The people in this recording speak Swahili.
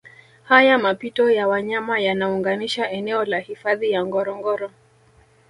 Haya mapito ya wanyama yanaunganisha eneo la hifadhi ya Ngorongoro